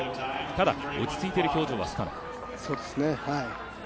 ただ、落ち着いている表情はスタノ。